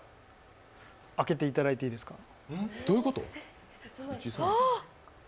開けていただいていいですか。